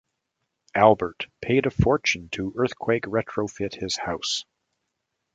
Albert paid a fortune to earthquake retrofit his house.